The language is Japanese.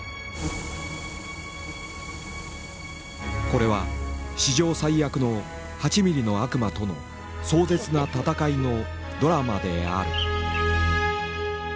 これは史上最悪の８ミリの悪魔との壮絶なたたかいのドラマである。